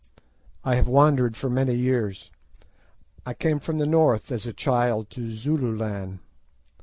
I have wandered for many years. I came from the North as a child to Zululand.